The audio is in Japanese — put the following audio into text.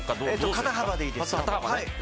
肩幅でいいです。